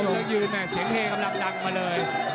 โดนถังลงตั้งยืนแหละเสียงเทกำลังดังมาเลย